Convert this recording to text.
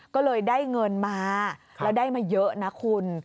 ก็เลยได้เงินมาแล้วได้มาเยอะนะคุณ